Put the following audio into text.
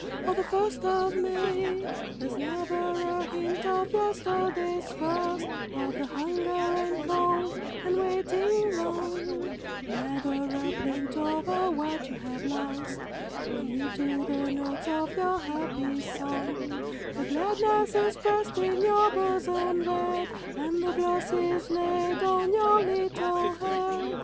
Ho, the first of May!" There's never a hint of yesterday's frost, Of the hunger and cold and waiting long, Never a plaint over what you have lost Thrown into the notes of your happy song; The gladness is pressed in your bosom red, And the gloss is laid on your little head.